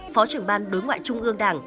phó trưởng ban đối ngoại trung ương đảng